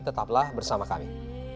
tetaplah bersama kami